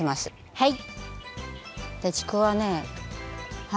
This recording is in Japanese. はい。